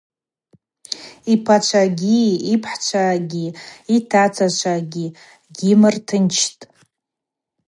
Йпачвагьи, йыпхӏчвагьи, йтацачвагьи гьимыртынчтӏ.